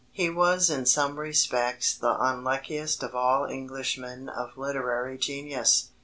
He was in some respects the unluckiest of all Englishmen of literary genius.